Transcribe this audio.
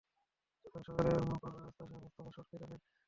তখন শহরের ভেতরের অপর রাস্তা শাহ মোস্তফা সড়কেও যানের চাপ বেড়ে যায়।